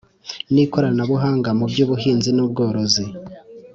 N ikoranabuhanga mu by ubuhinzi n ubworozi